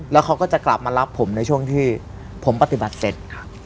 แล้วเขาก็จะกลับมารับผมในช่วงที่ผมปฏิบัติเสร็จ